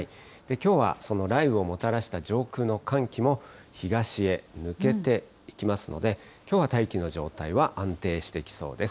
きょうはその雷雨をもたらした上空の寒気も東へ抜けていきますので、きょうは大気の状態は安定してきそうです。